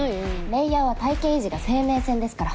レイヤーは体形維持が生命線ですから。